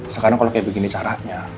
sekarang kalau kayak begini caranya